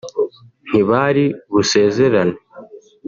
ntibari busezerane